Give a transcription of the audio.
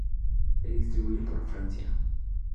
Se distribuye por Francia.